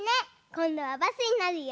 こんどはバスになるよ。